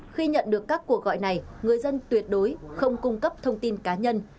khi nhận được các cuộc gọi này người dân tuyệt đối không cung cấp thông tin cá nhân